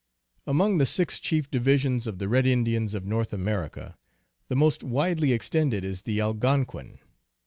AMONG the six chief divisions of the red Indians of North America the most widely extended is the Al gonquin.